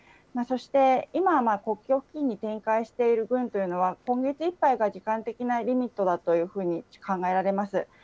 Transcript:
そして、今、国境付近に展開している軍というのは、今月いっぱいが時間的なリミットだというふうに考えられます。